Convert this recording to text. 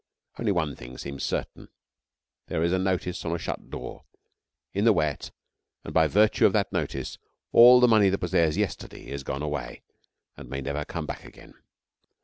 Only one thing seems certain. There is a notice on a shut door, in the wet, and by virtue of that notice all the money that was theirs yesterday is gone away, and it may never come back again.